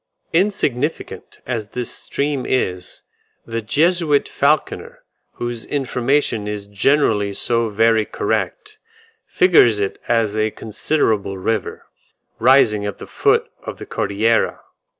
Insignificant as this stream is, the Jesuit Falconer, whose information is generally so very correct, figures it as a considerable river, rising at the foot of the Cordillera.